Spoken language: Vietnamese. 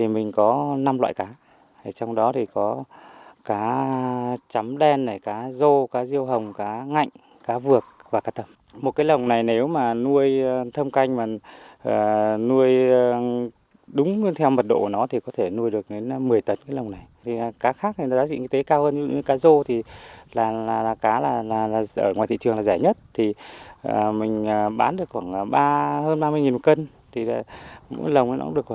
mình bán được khoảng hơn ba mươi một cân mỗi lồng nó được khoảng ít nhất là hai trăm năm mươi ba trăm linh triệu một năm một lồng